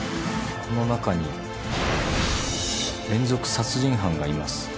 この中に連続殺人犯がいます。